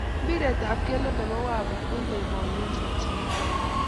Mpiret ab kelto ne bo Wavu ko iboiboi eng chokchinee.